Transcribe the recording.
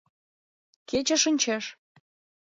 Кече шинчеш.